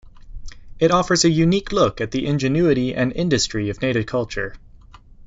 It offers a unique look at the ingenuity and industry of native culture.